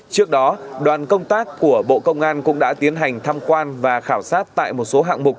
trước đó đoàn công tác của bộ công an cũng đã tiến hành thăm quan và khảo sát tại một số hạng mục